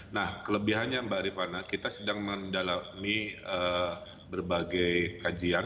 nah kelebihannya mbak rifana kita sedang mendalami berbagai kajian